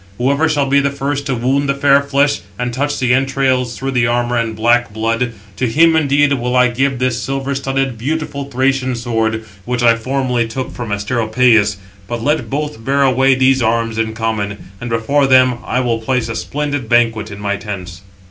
Whoever shall be the first to wound the fair flesh, and touch the entrails through the armour and black blood, to him, indeed, will I give this silver studded, beautiful Thracian sword, which I formerly took from Asteropæus. But let both bear away these arms in common, and before them I will place a splendid banquet in my tents."